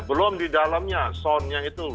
belum di dalamnya soundnya itu